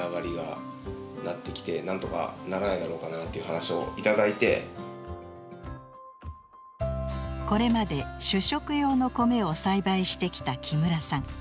相談を受けたこれまで主食用のコメを栽培してきた木村さん。